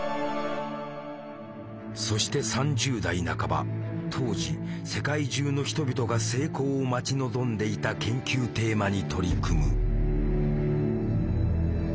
そして３０代半ば当時世界中の人々が成功を待ち望んでいた研究テーマに取り組む。